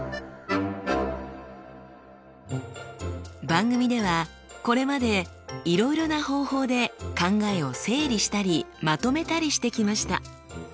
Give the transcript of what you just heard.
番組ではこれまでいろいろな方法で考えを整理したりまとめたりしてきました。